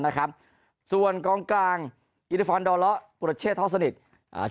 นะครับส่วนกองกลางอิริฟอร์นดอเลาะปุรเชษท่อสนิทอ่า